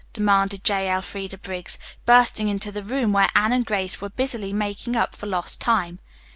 demanded J. Elfreda Briggs, bursting into the room where Anne and Grace were busily making up for lost time.